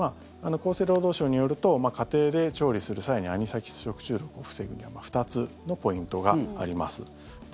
厚生労働省によると家庭で調理する際にアニサキス食中毒を防ぐには２つのポイントがあります。